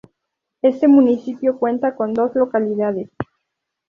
Este municipio cuenta con dos localidades.